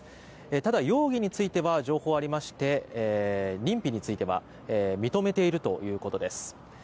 ただ容疑については情報がありまして認否については認めているということです。